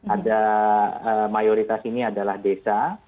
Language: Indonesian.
ada mayoritas ini adalah desa